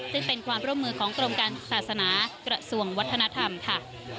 ซึ่งเป็นความร่วมมือของกรมการศาสนากระทรวงวัฒนธรรมค่ะ